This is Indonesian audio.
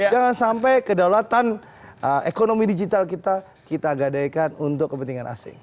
jangan sampai kedaulatan ekonomi digital kita kita gadaikan untuk kepentingan asing